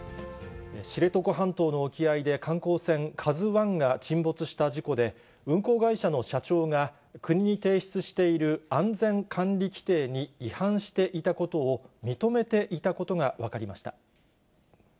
知床半島の沖合で、観光船カズワンが沈没した事故で、運航会社の社長が国に提出している安全管理規程に違反していたことを認めていたことが分かりました。